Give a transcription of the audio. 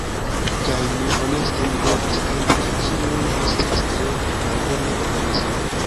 Kaj mi… Honeste mi devas diri ke ĝi nun estas tre malbone organizita.